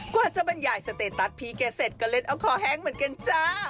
กว่าจะบรรยายสเตตัสพี่แกเสร็จก็เล่นเอาคอแห้งเหมือนกันจ้า